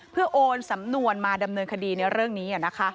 เพื่อโอนสำนวนมาดำเนินคดีในเรื่องนี้